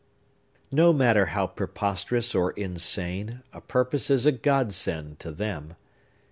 No matter how preposterous or insane, a purpose is a Godsend to them.